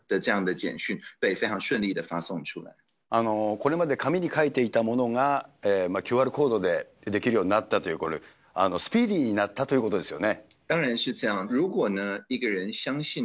これまで紙に書いていたものが、ＱＲコードでできるようになったという、これ、スピーディーになったということですよね。